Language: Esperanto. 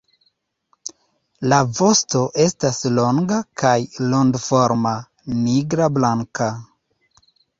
La vosto estas longa kaj rondoforma, nigrablanka.